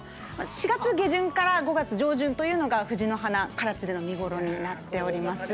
４月下旬から５月上旬というのが藤の花唐津での見頃になっております。